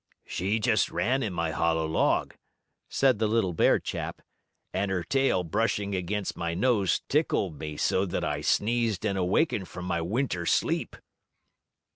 "She just ran in my hollow log," said the little bear chap, "and her tail, brushing against my nose, tickled me so that I sneezed and awakened from my Winter sleep."